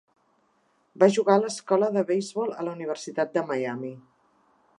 Va jugar a l'escola de beisbol a la Universitat de Miami.